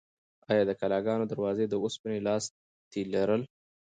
ایا د کلاګانو دروازې د اوسپنې لاستي لرل؟